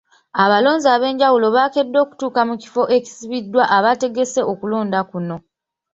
Abalonzi ab’enjawulo baakedde okutuuka mu kifo ekisibiddwa abategese okulonda kuno.